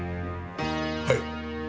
はい。